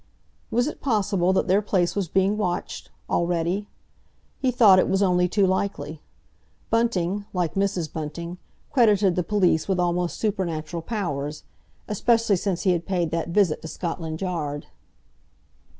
Was it possible that their place was being watched—already? He thought it only too likely. Bunting, like Mrs. Bunting, credited the police with almost supernatural powers, especially since he had paid that visit to Scotland Yard.